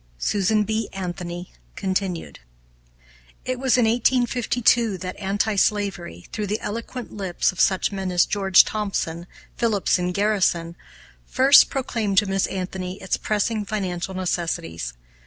SUSAN B. ANTHONY Continued. It was in 1852 that anti slavery, through the eloquent lips of such men as George Thompson, Phillips, and Garrison, first proclaimed to Miss Anthony its pressing financial necessities.